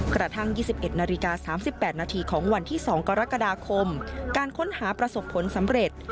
กระทั่ง๒๑นาฬิกา๓๘นาทีของวันที่๒กรกฎาคมการค้นหาประสบผลสำเร็จ